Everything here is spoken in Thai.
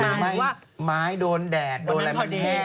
คือไม้โดนแดดโดนอะไรมันแห้ง